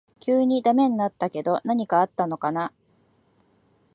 急にダメになったけど何かあったのかな